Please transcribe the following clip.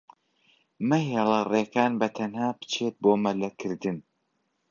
مەهێڵە ڕێکان بەتەنها بچێت بۆ مەلەکردن.